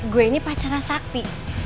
gue ini pacaran sakti